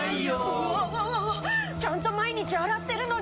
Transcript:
うわわわわちゃんと毎日洗ってるのに。